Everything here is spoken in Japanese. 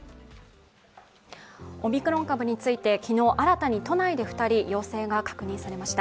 オミクロン株について昨日新たに都内で２人、陽性が確認されました。